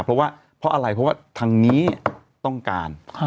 เพราะว่าเพราะอะไรเพราะว่าทางนี้ต้องการ